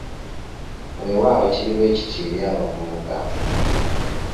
Weewaawo kiri bwekityo eri abavubuka!